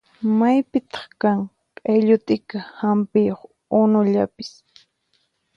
Maypitaq kan q'illu t'ika hampiyuq unullapis?